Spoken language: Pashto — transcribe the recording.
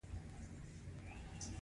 ځکه هغه خپل توکي مخکې ترلاسه کړي وو